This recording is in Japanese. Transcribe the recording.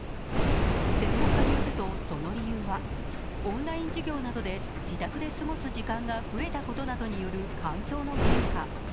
専門家によるとその理由は、オンライン授業などで自宅で過ごす時間が増えたことなどによる環境の変化。